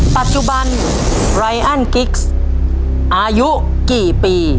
ปัจจุบันไรอันกิ๊กซ์อายุกี่ปี